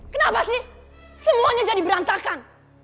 kenapa sih semuanya jadi berantakan